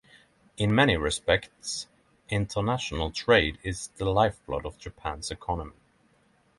In many respects, international trade is the lifeblood of Japan's economy.